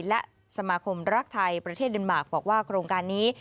และสมาคมรักไทยประเทศเดนมาร์กบอกว่าโครงการนี้